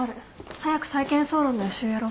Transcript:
早く債権総論の予習やろう。